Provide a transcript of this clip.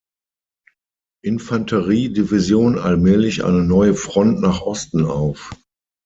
Infanterie-Division allmählich eine neue Front nach Osten auf.